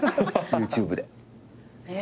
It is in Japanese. ＹｏｕＴｕｂｅで。